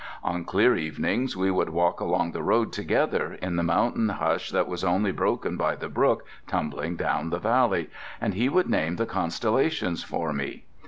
On clear evenings we would walk along the road together, in the mountain hush that was only broken by the brook tumbling down the valley, and he would name the constellations for me.